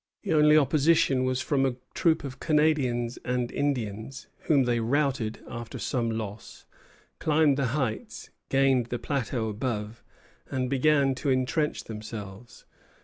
The only opposition was from a troop of Canadians and Indians, whom they routed, after some loss, climbed the heights, gained the plateau above, and began to intrench themselves.